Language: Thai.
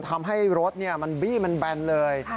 ทำให้รถมันบี้มันแบนเลย